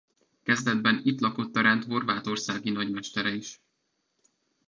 Kezdetben itt lakott a rend horvátországi nagymestere is.